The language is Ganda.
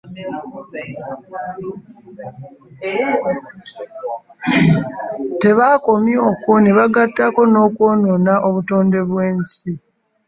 Twbakomye okwo ne bagattako n'okwonoona obutonde bw'ensi